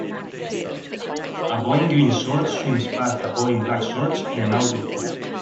a boy in green shorts swims past a boy in black shorts in an outdoor pool.